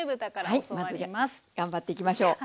はい頑張っていきましょう。